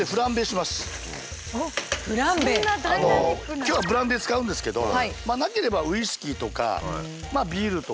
今日はブランデー使うんですけどなければウイスキーとかビールとか。